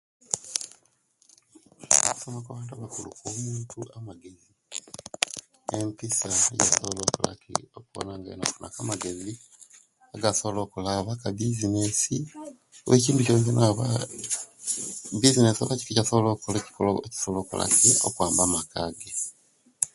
Okusoma kuwabantu abantu abakulu kuwa abantu amagezi, empisa amagezi oba ecasobola okola ekiyamba amaka ge